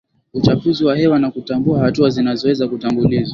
uchafuzi wa hewa na kutambua hatua zinazoweza kutangulizwa